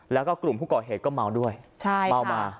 แล้วก็กลุ่มผู้ก่อเหตุก็เมาด้วยเมามา